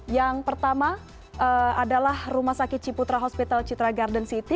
yang pertama adalah rumah sakit ciputra hospital citra garden city